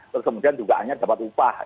terus kemudian dugaannya dapat upah